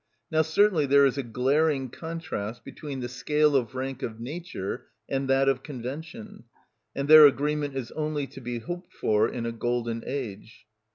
Now certainly there is a glaring contrast between the scale of rank of nature and that of convention, and their agreement is only to be hoped for in a golden age.